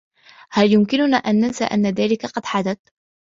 هل يمكننا أن ننسى أن ذلك قد حدث؟